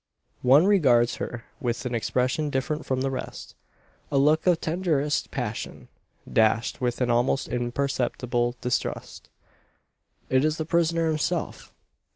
One regards her with an expression different from the rest: a look of tenderest passion, dashed with an almost imperceptible distrust. It is the prisoner himself.